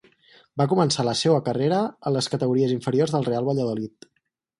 Va començar la seua carrera a les categories inferiors del Real Valladolid.